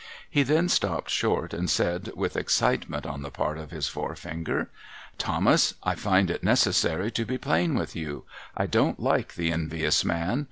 He then stopped short, and said, with excitement on the part of his forefinger :' Thomas, I find it necessary to be plain with you. I don't like the envious man.